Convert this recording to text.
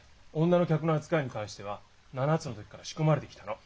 女の客の扱いに関しては７つの時から仕込まれてきたの。